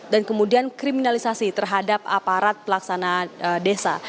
dan kemudian kriminalisasi terhadap aparat pelaksanaan desa